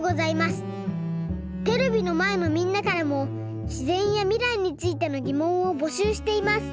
テレビのまえのみんなからもしぜんやみらいについてのぎもんをぼしゅうしています。